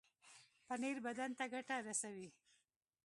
پنېر بدن ته ګټه رسوي.